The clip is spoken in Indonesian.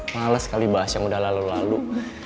males sekali bahas yang udah lalu lalu